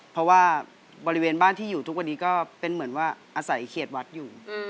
เพราะว่าบริเวณบ้านที่อยู่ทุกวันนี้ก็เป็นเหมือนว่าอาศัยเขตวัดอยู่